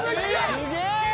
すげえ！